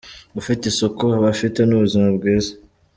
Ufite isuku aba afite n’ubuzima bwiza